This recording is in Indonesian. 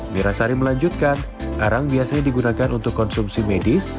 mirasari melanjutkan arang biasanya digunakan untuk konsumsi medis